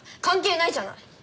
関係ないじゃない。